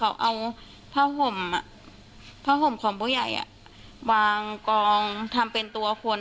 แล้วห่วงของผู้ใหญ่วางกองทำเป็นตัวคน